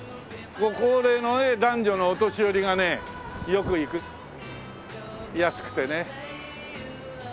ご高齢のね男女のお年寄りがねよく行く安くてね。